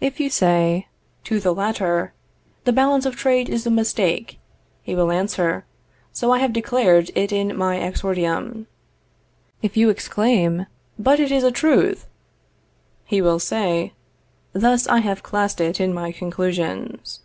If you say to the latter, the balance of trade is a mistake, he will answer, So I have declared it in my exordium. If you exclaim, But it is a truth, he will say, Thus I have classed it in my conclusions.